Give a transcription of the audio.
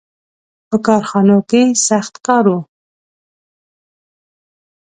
• په کارخانو کې سخت کار و.